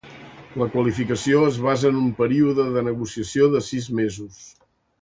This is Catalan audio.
La qualificació es basa es un període de negociació de sis mesos.